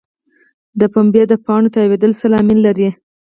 د پنبې د پاڼو تاویدل څه لامل لري؟